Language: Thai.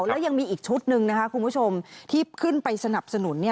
แล้วยังมีอีกชุดหนึ่งนะคะคุณผู้ชมที่ขึ้นไปสนับสนุน